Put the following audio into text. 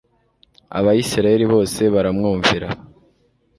abisirayeli bose baramwumvira